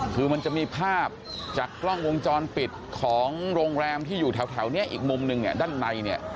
คือมันจะมีภาพจากกล้องวงจรปิดของโรงแรมที่อยู่แถวนี้อีกมุมนึงเนี่ยด้านในเนี่ย